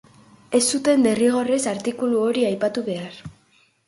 Ez zuten derrigorrez artikulu hori aipatu behar.